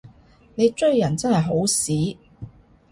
你追人真係好屎